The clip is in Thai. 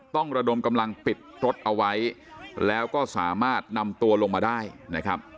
ระดมกำลังปิดรถเอาไว้แล้วก็สามารถนำตัวลงมาได้นะครับ